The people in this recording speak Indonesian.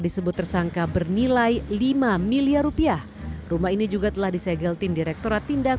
disebut tersangka bernilai lima miliar rupiah rumah ini juga telah disegel tim direkturat tindak